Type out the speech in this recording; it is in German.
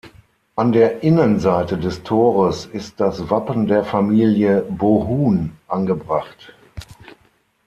An der Innenseite des Tores ist das Wappen der Familie Bohun angebracht.